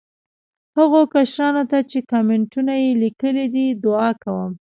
هغو کشرانو ته چې کامینټونه یې لیکلي دي، دعا کوم.